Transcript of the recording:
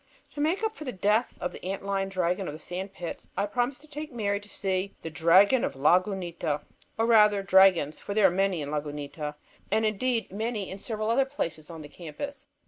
To make up for the death of the ant lion dragon of the sand pits, I promised to take Mary to see the Dragon of Lagunita. Or rather the dragons, for there are many in Lagunita, and indeed many in several other places on the campus.